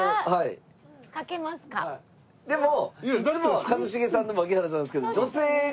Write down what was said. でもいつもは一茂さんと槙原さんですけど。